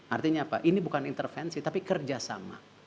artinya apa ini bukan intervensi tapi kerjasama